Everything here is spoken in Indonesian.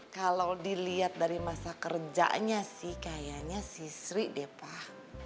kalau dilihat dari masa kerjanya sih kayaknya si sri deh pak